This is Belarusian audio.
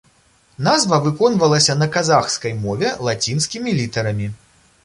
Назва выконвалася на казахскай мове лацінскімі літарамі.